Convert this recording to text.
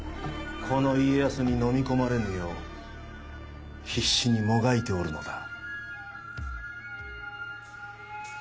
この家康にのみ込まれぬよう必死にもがいておるのだ。